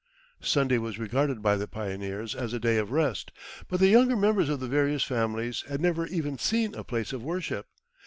Sunday was regarded by the pioneers as a day of rest, but the younger members of the various families had never even seen a place of worship.